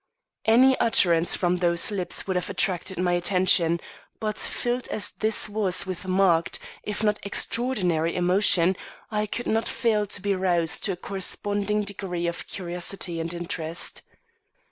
Any utterance from those lips would have attracted my attention; but, filled as this was with marked, if not extraordinary, emotion, I could not fail to be roused to a corresponding degree of curiosity and interest.